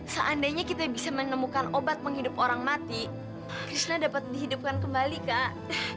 seandainya kita bisa menemukan obat menghidup orang mati krisna dapat dihidupkan kembali kak